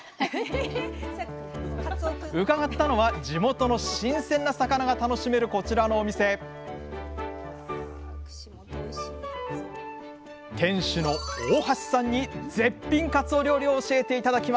伺ったのは地元の新鮮な魚が楽しめるこちらのお店店主の大橋さんに絶品かつお料理を教えて頂きました！